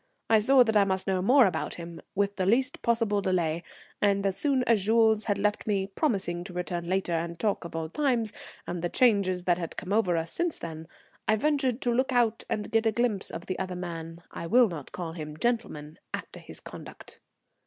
I saw that I must know more about him, with the least possible delay, and as soon as Jules had left me, promising to return later and talk of old times, and the changes that had come over us since then, I ventured to look out and get a glimpse of the other man, I will not call him gentleman after his conduct.